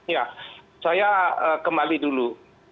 ya saya kembali dulu